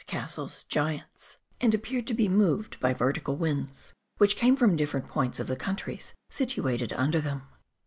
castles, giants,—and appeared to be moved, by ver¬ tical winds, wbich came from different points of the countries situated under them.